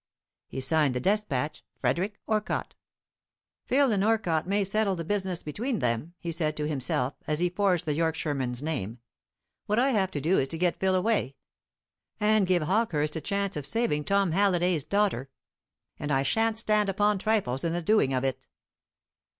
He signed the despatch Frederick Orcott. "Phil and Orcott may settle the business between them," he said to himself, as he forged the Yorkshireman's name. "What I have to do is to get Phil away, and give Hawkehurst a chance of saving Tom Halliday's daughter; and I shan't stand upon trifles in the doing of it."